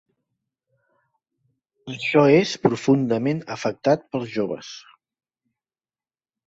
Això és profundament afectat pels joves.